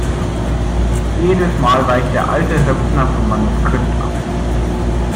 Jedes Mal weicht der alte Höpfner vom Manuskript ab!